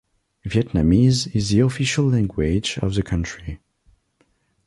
Vietnamese is the official language of the country.